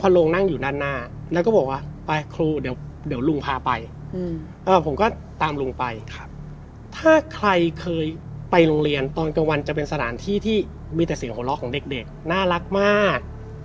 เป็นสถานที่มีแต่เสียงโหลลอกของเด็กน่ารักมาก